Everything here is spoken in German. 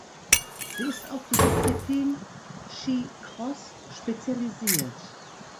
Sie ist auf die Disziplin Skicross spezialisiert.